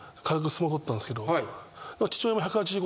相撲取ったんですけど。